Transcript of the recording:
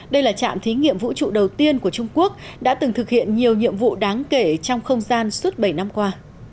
đây là trạm thí nghiệm vũ trụ đầu tiên của trung quốc đã từng thực hiện nhiều nhiệm vụ đáng kể trong không gian suốt bảy năm qua